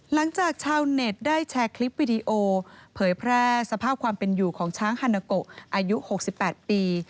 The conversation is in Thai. หลังจากชาวเน็ตได้แชร์คลิปวิดีโอเผยแพร่สภาพความเป็นอยู่ของช้างฮานาโกอายุ๖๘ปี